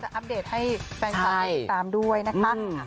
จะอัปเดตให้แฟนคลายตามด้วยนะคะ